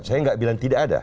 saya tidak bilang tidak ada